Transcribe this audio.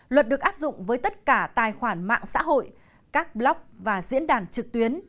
luật được áp dụng với tất cả tài khoản mạng xã hội các blog và diễn đàn trực tuyến